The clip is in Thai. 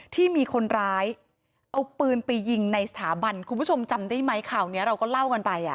ที่มีคนร้ายเอาปืนไปยิงในสถาบันคุณผู้ชมจำได้ไหมข่าวนี้เราก็เล่ากันไป